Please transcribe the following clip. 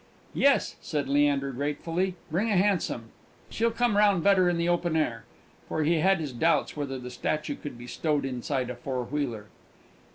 "Yes," said Leander, gratefully; "bring a hansom. She'll come round better in the open air;" for he had his doubts whether the statue could be stowed inside a four wheeler.